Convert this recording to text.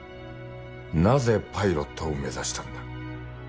なぜパイロットを目指したんだ。